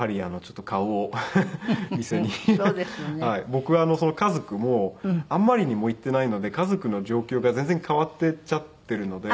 僕家族もあんまりにも行ってないので家族の状況が全然変わっていっちゃっているので。